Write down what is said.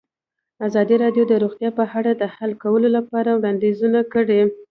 ازادي راډیو د روغتیا په اړه د حل کولو لپاره وړاندیزونه کړي.